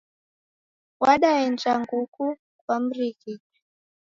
Wadaenja nguku kwa mrighiti